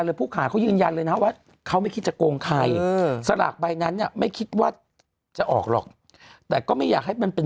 แล้วเขาเพิ่งมาขายงดแรกไอ้พี่นะ